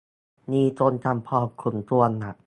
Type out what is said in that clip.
มีคนทำพอสมควรละ